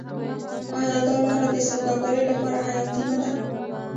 آیا دا لاره د سوداګرۍ لپاره حیاتي نه ده؟